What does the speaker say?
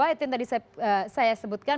itu yang tadi saya sebutkan